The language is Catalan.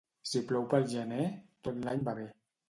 Si plou pel gener, tot l'any va bé.